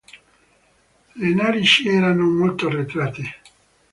Le narici erano molto arretrate.